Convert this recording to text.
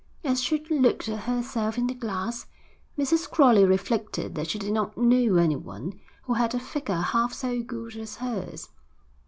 As she looked at herself in the glass, Mrs. Crowley reflected that she did not know anyone who had a figure half so good as hers.